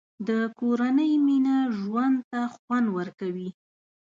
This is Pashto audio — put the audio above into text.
د کورنۍ مینه ژوند ته خوند ورکوي.